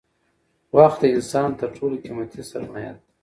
وخت د انسان تر ټولو قیمتي سرمایه ده